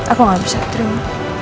aku gak bisa terima